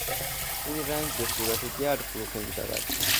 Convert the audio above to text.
این رنگ به صورت گرد فروخته میشود.